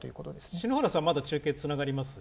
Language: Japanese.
篠原さん、まだ中継つながります？